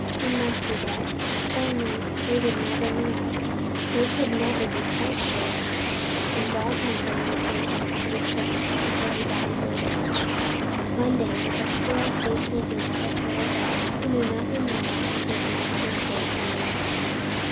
He must be dead. Only they would never know they could never be quite sure; and Dog Monday would wait for the train until he died of old age. Monday was only a poor, faithful, rheumatic little dog, who knew nothing more of his master's fate than they did.